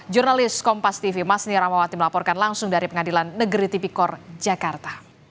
jurnalis kompas tv masni ramawati melaporkan langsung dari pengadilan negeri tipikor jakarta